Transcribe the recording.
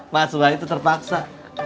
mas suha itu terpaksa